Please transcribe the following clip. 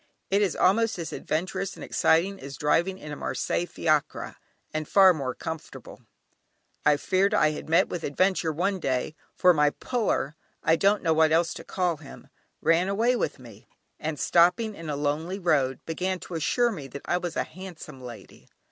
It is almost as adventurous and exciting as driving in a Marseilles Fiacre, and far more comfortable. I feared I had met with an adventure one day, for my "puller" (I don't know what else to call him) ran away with me, and stopping in a lonely road, began to assure me that I was a "handsome lady."